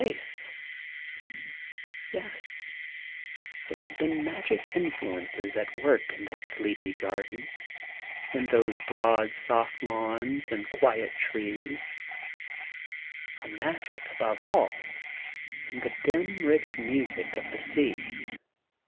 Yes, there had been magic in fluences at work in that sleepy garden, in those broad, soft lawns and quiet trees, — a magic, above all, in the dim rich music of the sea.